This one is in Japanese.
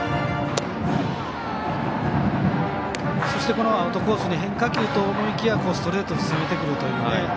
そしてアウトコースに変化球と思いきやストレートで攻めてくるという。